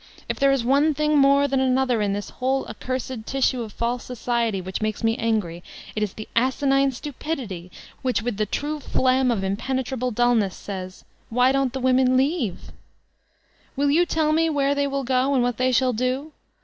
If there is one thing more than another in this whole accursed tissue of false society, which makes me angry, it is the asinine stupidity which with the true phlegm of impene* trabie dullness says, "Why don't the women leave I" Will you tell me where they will go and what they shall do?